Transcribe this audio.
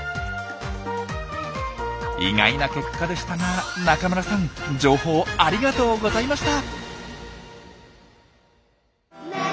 意外な結果でしたが中村さん情報ありがとうございました！